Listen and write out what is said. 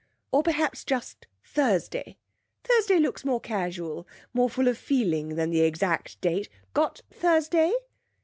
'Or, perhaps, just Thursday. Thursday looks more casual, more full of feeling than the exact date. Got Thursday?'